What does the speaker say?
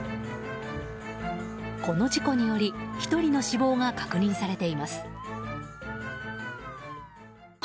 この事故により１人の死亡が確認されています。